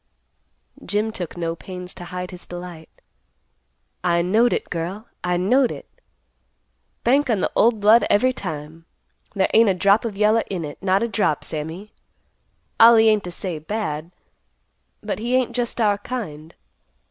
Jim took no pains to hide his delight. "I knowed it, girl. I knowed it. Bank on the old blood every time. There ain't a drop of yeller in it; not a drop, Sammy. Ollie ain't to say bad, but he ain't just our kind.